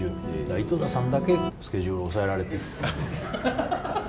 井戸田さんだけスケジュール押さえらえている。